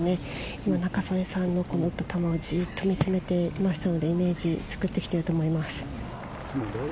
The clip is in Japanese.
今仲宗根さんの打った球をじっと見つめていましたのでイメージつくってきていると思います。